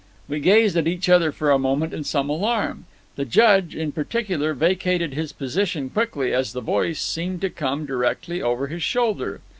We gazed at each other for a moment in some alarm. The Judge, in particular, vacated his position quickly, as the voice seemed to come directly over his shoulder.